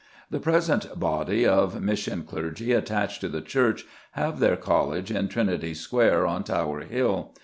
The present body of mission clergy attached to the church have their College in Trinity Square, on Tower Hill.